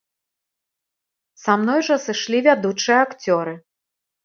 Са мной жа сышлі вядучыя акцёры.